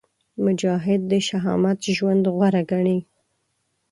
مجاهد د شهامت ژوند غوره ګڼي.